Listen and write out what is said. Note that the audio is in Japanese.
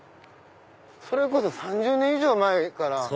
それこそ３０年以上前から。